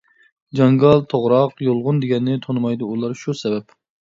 جاڭگال، توغراق، يۇلغۇن دېگەننى تونۇمايدۇ ئۇلار شۇ سەۋەب.